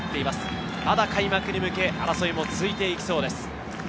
まだ開幕に向け争いも続いていきそうです。